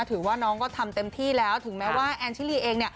ถือว่าน้องก็ทำเต็มที่แล้วถึงแม้ว่าแอนชิลีเอง